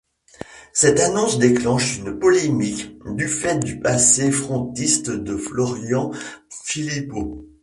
Cette annonce déclenche une polémique, du fait du passé frontiste de Florian Philippot.